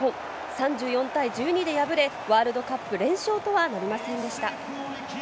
３４対１２で敗れ、ワールドカップ連勝とはなりませんでした。